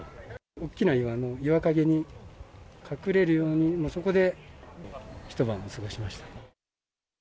大きな岩の岩陰に隠れるように、そこで一晩を過ごしました。